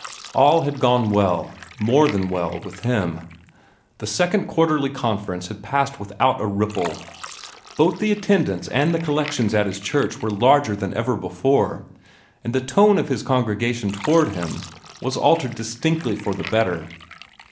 All had gone well more than well with him. The second Quarterly Conference had passed without a ripple. Both the attendance and the collections at his church were larger than ever before, and the tone of the congregation toward him was altered distinctly for the better.